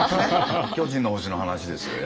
「巨人の星」の話ですよ